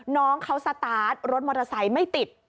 น้องเขาสตาร์ทรถมอเตอร์ไซค์ไม่ติด